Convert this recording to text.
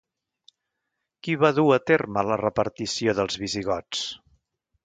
Qui va dur a terme la repartició dels visigots?